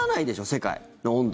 世界の温度。